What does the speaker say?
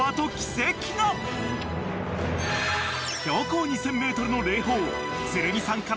［標高２，０００ｍの］